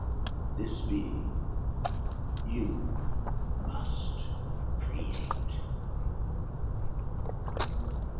This being you must create."